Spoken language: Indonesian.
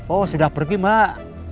oh sudah pergi mbak